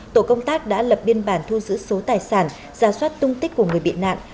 tổ công tác đã lập biên bản thu giữ số tài sản ra soát tung tích của người bị nạn